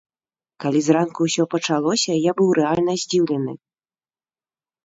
Калі зранку ўсё пачалося, я быў рэальна здзіўлены.